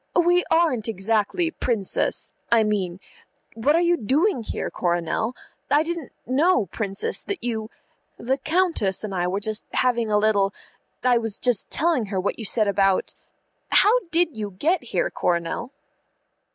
"We aren't exactly, Princess I mean What are you doing here, Coronel? I didn't know, Princess, that you The Countess and I were just having a little I was just telling her what you said about How did you get here, Coronel?"